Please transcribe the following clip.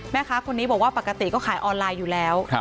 แม่ค้าคนนี้บอกว่าปกติก็ขายออนไลน์อยู่แล้ว